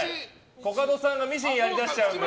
コカドさんがミシンやりだしちゃうんで。